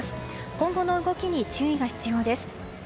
今後の動きに注意が必要です。